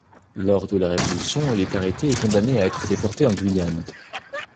Lors de la Révolution, il est arrêté et condamné à être déporté en Guyane.